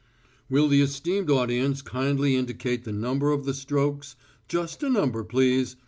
"Will the esteemed audience kindly indicate the number of the strokes.... Just a number, please